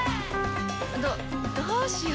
どどうしよう。